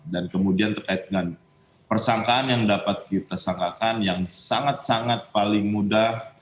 dan kemudian terkait dengan persangkaan yang dapat kita sangkakan yang sangat sangat paling mudah